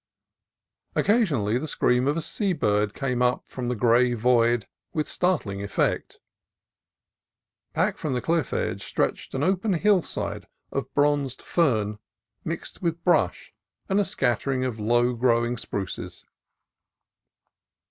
Occasionally the scream of a sea bird came up from the gray void with startling effect. Back from the cliff edge stretched an open hillside of bronzed fern mixed with brush and a scattering of low growing spruces.